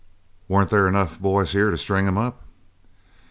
"Weren't there enough boys here to string him up?"